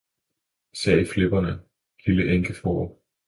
sagde flipperne, lille enkefrue!